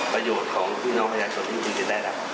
ประโยชน์ของพี่น้องพยาคตที่คุณจะได้รับ